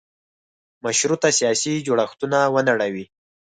مشروطه سیاسي جوړښتونه ونړوي.